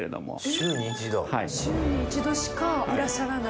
週に１度しかいらっしゃらない。